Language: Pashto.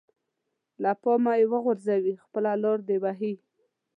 له پامه يې وغورځوي خپله لاره دې وهي.